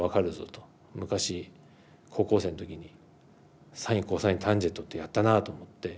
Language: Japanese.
昔高校生の時にサインコサインタンジェントってやったなぁと思って。